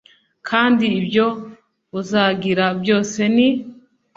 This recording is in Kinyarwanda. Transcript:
kandi ibyo uzagira byose ni